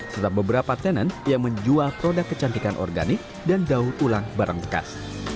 serta beberapa tenan yang menjual produk kecantikan organik dan daur ulang barang bekas